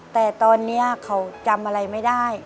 แต่ตอนนี้เขาจำอะไรไม่ได้